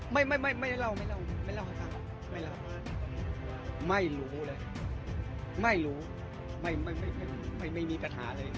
ไม่ไม่ไม่ไม่เล่าไม่เล่าไม่เล่าค่ะไม่เล่าไม่รู้เลยไม่รู้ไม่ไม่ไม่ไม่ไม่ไม่มีปัญหาเลย